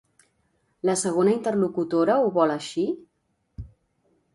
La segona interlocutora ho vol així?